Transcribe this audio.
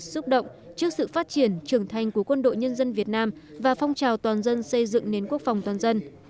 xúc động trước sự phát triển trưởng thành của quân đội nhân dân việt nam và phong trào toàn dân xây dựng nến quốc phòng toàn dân